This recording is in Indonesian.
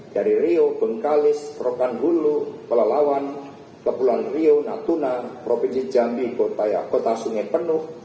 dari rio bengkalis krokan hulu kuala lawan kepulan rio natuna provinsi jambi kota sungai penuh